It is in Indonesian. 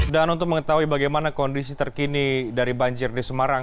dan untuk mengetahui bagaimana kondisi terkini dari banjir di semarang